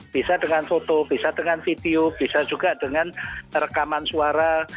bisa dengan foto bisa dengan video bisa juga dengan rekaman suara